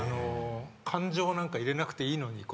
感情なんか入れなくていいのにこれ。